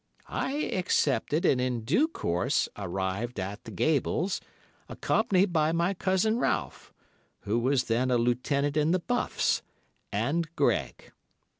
"I accepted, and in due course arrived at 'The Gables,' accompanied by my cousin Ralph, who was then a Lieutenant in the Buffs, and Greg.